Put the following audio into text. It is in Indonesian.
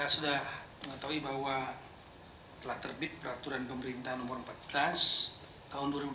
sudah mengetahui bahwa telah terbit peraturan pemerintahan no empat belas tahun dua ribu empat